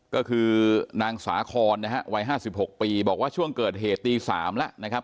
ก็คือนางสาคอนนะฮะวัย๕๖ปีบอกว่าช่วงเกิดเหตุตี๓แล้วนะครับ